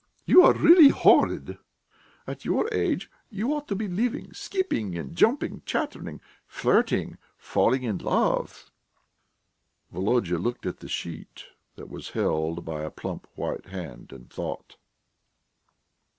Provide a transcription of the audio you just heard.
You are really horrid!... At your age you ought to be living, skipping, and jumping, chattering, flirting, falling in love." Volodya looked at the sheet that was held by a plump white hand, and thought....